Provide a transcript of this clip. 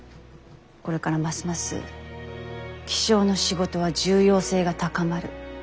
これからますます気象の仕事は重要性が高まる。